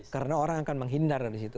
karena orang akan menghindar dari situ